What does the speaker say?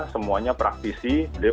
semuanya praktisi dia